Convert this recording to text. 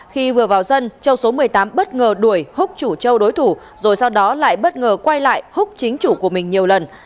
khi vừa vào dân châu số một mươi tám bất ngờ đuổi húc chủ châu đối thủ rồi sau đó lại bất ngờ quay lại húc chính chủ của mình nhiều lần